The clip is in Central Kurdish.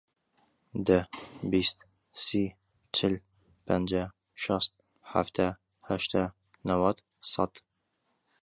دە، بیست، سی، چل، پەنجا، شەست، حەفتا، هەشتا، نەوەت، سەد.